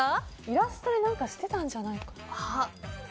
イラストで何かしてたんじゃないかな。